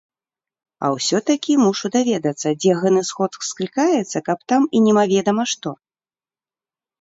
А ўсё-такі мушу даведацца, дзе гэны сход склікаецца, каб там і немаведама што!